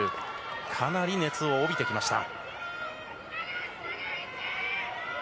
かなり熱を帯びてきました。